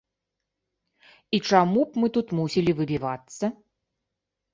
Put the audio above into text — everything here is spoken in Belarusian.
І чаму б мы тут мусілі выбівацца?